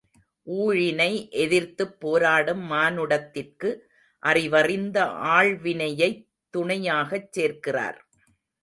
ஊழினை எதிர்த்துப் போராடும் மானுடத்திற்கு அறிவறிந்த ஆள்வினையைத் துணையாகச் சேர்க்கிறார்.